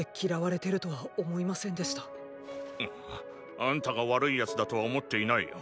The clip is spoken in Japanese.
あんたが悪い奴だとは思っていないよ。